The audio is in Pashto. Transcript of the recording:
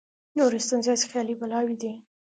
نورې ستونزې هسې خیالي بلاوې دي.